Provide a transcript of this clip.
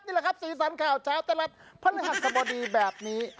นี่แหละครับสีสันข่าวเช้าไทยรัฐพระราชบดีแบบนี้